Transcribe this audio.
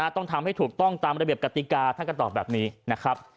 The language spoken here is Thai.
ต้องทำให้ถูกต้องตามระเบียบกติกาท่านก็ตอบแบบนี้นะครับ